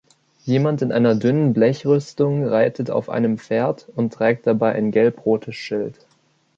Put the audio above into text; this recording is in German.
Jemand in einer dünnen Blechrüstung reitet auf einem Pferd und trägt dabei ein gelb-rotes Schild.